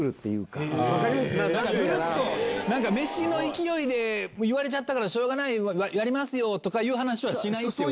ぬるっと飯の勢いで言われちゃったからしょうがないやりますよ！とか話はしないってことですね。